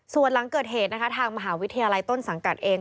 ส่วนหลังเกิดเหตุนะคะทางมหาวิทยาลัยต้นสังกัดเอง